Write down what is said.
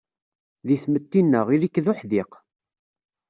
Deg tmetti-nneɣ, ili-k d uḥdiq.